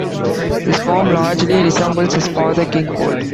This form largely resembles his father, King Cold.